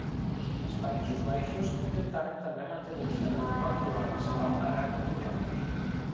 Els Països Baixos intentaren també mantenir-se neutrals durant la Segona Guerra Mundial.